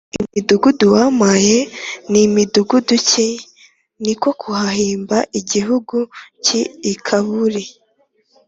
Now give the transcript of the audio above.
imidugudu wampaye ni midugudu ki?” Ni ko kuhahimba igihugu cy’i Kabuli